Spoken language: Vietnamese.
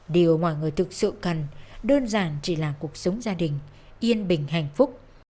điều mọi người thực sự cần đơn giản chỉ là cuộc sống gia đình yên bình hạnh phúc